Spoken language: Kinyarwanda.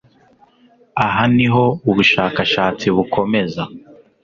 Aha niho ubushakashatsi bukomeza